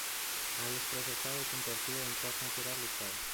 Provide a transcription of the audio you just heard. Allí es procesado y convertido en gas natural licuado.